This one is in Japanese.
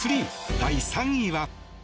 第３位は。